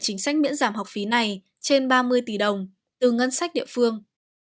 chính sách miễn giảm học phí này trên ba mươi tỷ đồng từ ngân sách địa phương